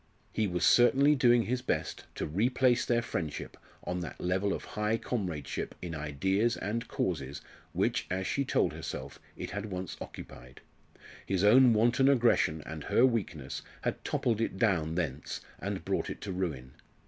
He was certainly doing his best to replace their friendship on that level of high comradeship in ideas and causes which, as she told herself, it had once occupied. His own wanton aggression and her weakness had toppled it down thence, and brought it to ruin.